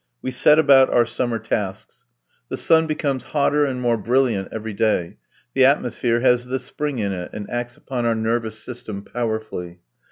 We set about our summer tasks. The sun becomes hotter and more brilliant every day; the atmosphere has the spring in it, and acts upon our nervous system powerfully.